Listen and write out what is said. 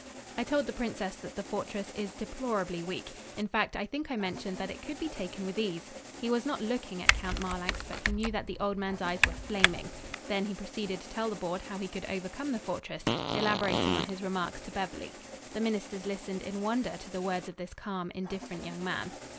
"I told the princess that the fortress is deplorably weak. In fact, I think I mentioned that it could be taken with ease." He was not looking at Count Marlanx, but he knew that the old man's eyes were flaming. Then he proceeded to tell the board how he could overcome the fortress, elaborating on his remarks to Beverly. The ministers listened in wonder to the words of this calm, indifferent young man.